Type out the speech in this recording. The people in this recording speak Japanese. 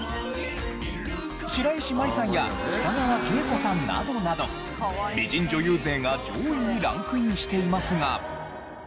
白石麻衣さんや北川景子さんなどなど美人女優勢が上位にランクインしていますが。